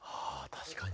確かに。